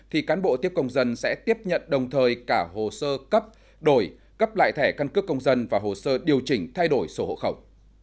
thì cán bộ tiếp công dân sẽ tiếp nhận đồng thời cả hồ sơ cấp đổi cấp lại thẻ căn cước công dân và hồ sơ điều chỉnh thay đổi sổ hộ khẩu